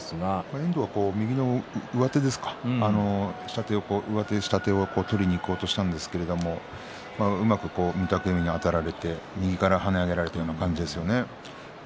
遠藤は右の上手ですが下手、上手を取りにいこうとしたんですけれどもうまく御嶽海にあてられて右から跳ね上げられるような形でしたよね。